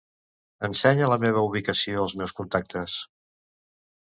Ensenya la meva ubicació als meus contactes.